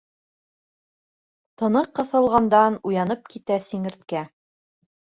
Тыны ҡыҫылғандан уянып китә сиңерткә.